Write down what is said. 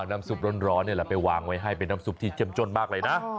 น้ำซุปร้อนนี่แหละไปวางไว้ให้เป็นน้ำซุปที่เข้มจ้นมากเลยนะ